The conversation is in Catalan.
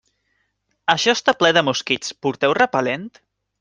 Això està ple de mosquits, porteu repel·lent?